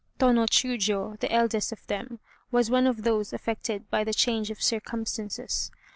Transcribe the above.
Tô no Chiûjiô, the eldest of them, was one of those affected by the change of circumstances.